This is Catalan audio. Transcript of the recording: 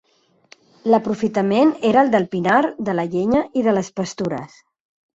L'aprofitament era el del pinar, de la llenya i de les pastures.